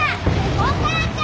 お母ちゃん！